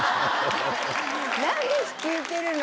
何で引き受けるの？